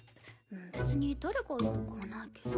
別に誰がいいとかはないけど。